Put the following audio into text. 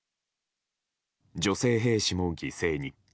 女性兵士も犠牲に。